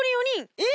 えっ！？